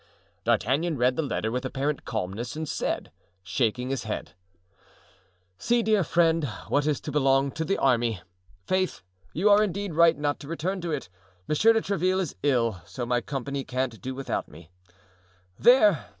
D'Artagnan read the letter with apparent calmness and said, shaking his head: "See, dear friend, what it is to belong to the army. Faith, you are indeed right not to return to it. Monsieur de Tréville is ill, so my company can't do without me; there!